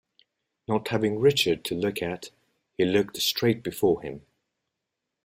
Not having Richard to look at, he looked straight before him.